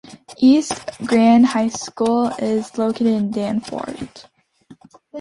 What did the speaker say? East Grand High School is located in Danforth.